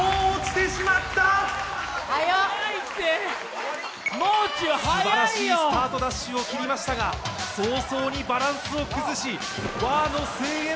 すばらしいスタートダッシュを切りましたが早々にバランスを崩し、ワーの声援